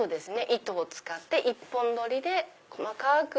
糸を使って１本取りで細かく。